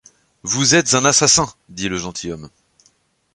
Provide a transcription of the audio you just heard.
Vous êtes un assassin, dit le gentilhomme.